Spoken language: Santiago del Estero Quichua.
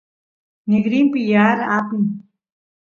nigrinpi yaar apin